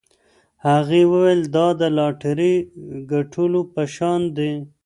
هغې وویل دا د لاټرۍ ګټلو په شان دی.